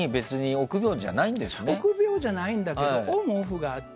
臆病じゃないんだけどオン・オフがあって。